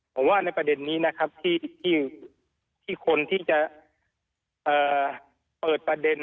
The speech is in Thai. ผมว่าในประเด็นนี้นะครับที่คนที่จะเปิดประเด็น